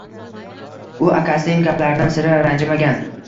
U akasining gaplaridan sira ranjimagan